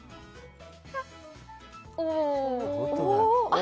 あ！